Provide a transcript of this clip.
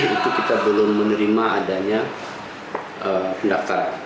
itu kita belum menerima adanya pendaftaran